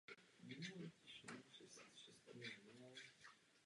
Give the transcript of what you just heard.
Žádný druh hmoty od nejmenších elementárních částic až po nejrychlejší meteory.